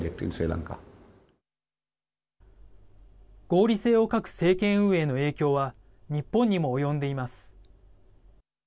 合理性を欠く政権運営の影響は日本にも及んでいます。